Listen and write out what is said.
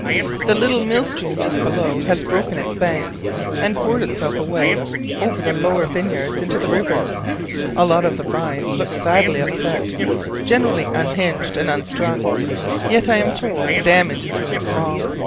The little mill stream just below has broken its banks and poured itself away over the lower vineyards into the river; a lot of the vines look sadly upset, generally unhinged and unstrung, yet I am told the damage is really small.